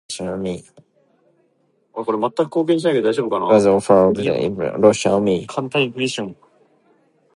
He was an officer of the Imperial Russian Army.